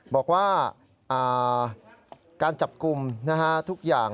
บอกว่าการจับกลุ่มทุกอย่าง